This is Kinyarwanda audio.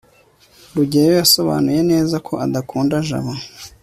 rugeyo yasobanuye neza ko adakunda jabo